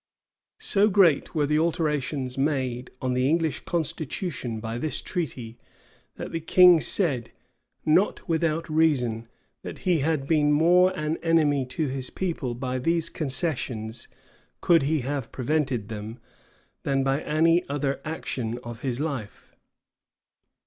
So great were the alterations made on the English constitution by this treaty, that the king said, not without reason, that he had been more an enemy to his people by these concessions, could he have prevented them, than by any other action of his life.